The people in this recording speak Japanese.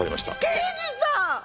刑事さん！